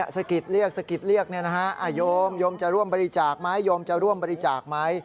สกิทเรียกนี่นะฮะโยมจะร่วมบริจาคไหม